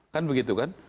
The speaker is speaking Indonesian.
kan begitu kan